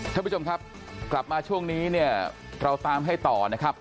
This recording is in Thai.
ท่านผู้ชมครับกลับมาช่วงนี้เนี่ยเราตามให้ต่อนะครับ